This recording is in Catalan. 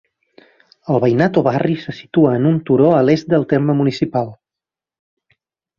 El veïnat o barri se situa en un turó, a l'est del terme municipal.